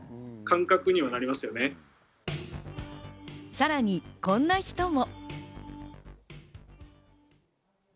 さらにこんな人も。